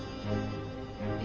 え？